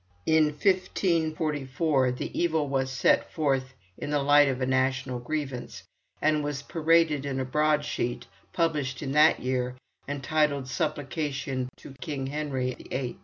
In 1544, the evil was set forth in the light of a national grievance, and was paraded in a broadsheet published in that year entitled a "Supplycacion to Kynge Henry the Eyght."